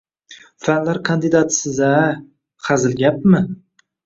Fanlar kandidatisiz-a. Hazil gapmi!